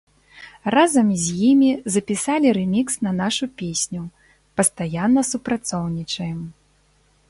Разам з імі запісалі рэмікс на нашу песню, пастаянна супрацоўнічаем.